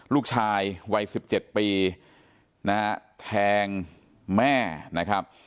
ลูกชายวัย๑๗ปีนะฮะแทงแม่นะครับ